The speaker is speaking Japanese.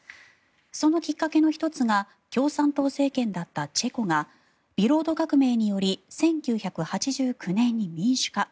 そのきっかけの１つが共産党政権だったチェコがビロード革命により１９８９年に民主化。